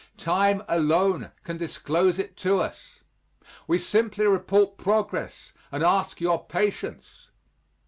Time alone can disclose it to us. We simply report progress, and ask your patience.